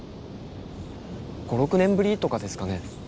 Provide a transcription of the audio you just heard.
５６年ぶりとかですかね。